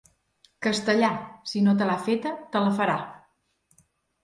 Castellà, si no te l'ha feta, te la farà.